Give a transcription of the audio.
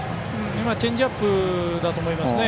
今はチェンジアップだと思います。